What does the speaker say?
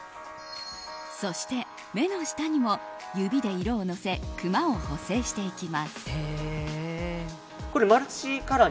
そして、目の下にも指で色をのせクマを補正していきます。